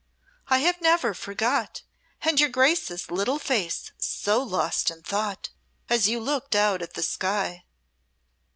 "I have never forgot, and your Grace's little face so lost in thought, as you looked out at the sky."